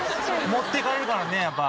持っていかれるからねやっぱ。